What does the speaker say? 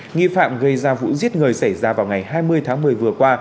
nghi phạm gây ra vụ giết người xảy ra vào ngày hai mươi tháng một mươi vừa qua